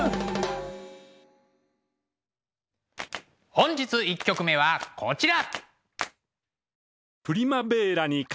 本日１曲目はこちら。